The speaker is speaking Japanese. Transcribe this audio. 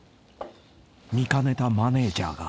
［見かねたマネジャーが］